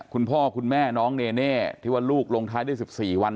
คุณพ่อคุณแม่น้องเนเน่ที่ว่าลูกลงท้ายได้๑๔วัน